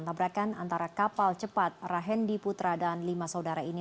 tabrakan antara kapal cepat rahendi putra dan lima saudara ini